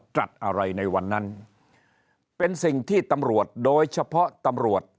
ตรัสอะไรในวันนั้นเป็นสิ่งที่ตำรวจโดยเฉพาะตำรวจ